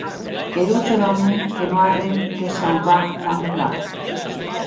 Erós er òme que non a arren que sauvar damb clau!